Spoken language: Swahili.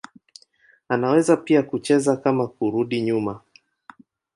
Anaweza pia kucheza kama kurudi nyuma.